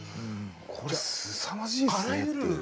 これすさまじいですねっていう。